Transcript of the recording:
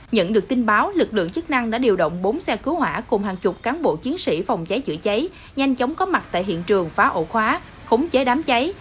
nhận được tin báo lực lượng chức năng đã điều động bốn xe cứu hỏa cùng hàng chục cán bộ chiến sĩ phòng cháy chữa cháy nhanh chóng có mặt tại hiện trường phá ổ khóa khống chế đám cháy